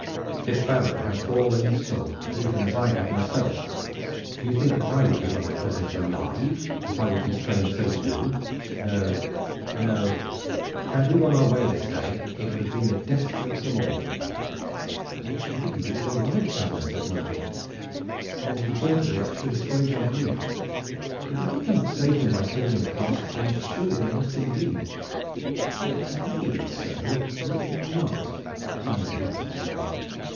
This Baron has gall in his soul, even as I have myself, and do you think that I would give up my prisoners alive, if I were constrained so to do? No, no; had we won our way this day it would have been the death stroke for them all." "It may be that you are right, Simon," said Nigel, "and the thought of it should assuage our grief. But if we cannot save them by taking the castle, then surely they are lost indeed." "It may be so, or it may not," Simon answered slowly.